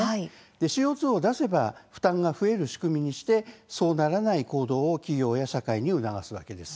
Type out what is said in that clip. ＣＯ２を出せば負担が増える仕組みにしてそうならない行動を企業や社会に促すわけです。